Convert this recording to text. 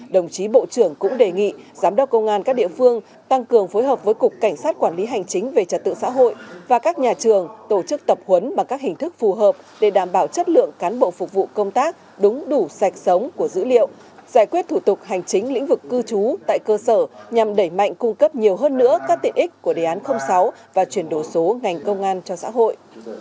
đồng chí bộ trưởng cũng đề nghị giám đốc công an các địa phương tăng cường phối hợp với cục cảnh sát quản lý hành chính về trật tự xã hội và các nhà trường tổ chức tập huấn bằng các hình thức phù hợp để đảm bảo chất lượng cán bộ phục vụ công tác đúng đủ sạch sống của dữ liệu giải quyết thủ tục hành chính lĩnh vực cư trú tại cơ sở nhằm đẩy mạnh cung cấp nhiều hơn nữa các tiện ích của đề án sáu và chuyển đổi số ngành công an cho xã hội